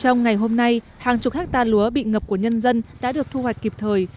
trong ngày hôm nay hàng chục hectare lúa bị ngập của nhân dân đã được thu hoạch kịp thời